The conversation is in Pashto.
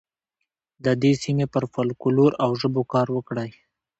د دې سیمې پر فولکلور او ژبو کار وکړئ.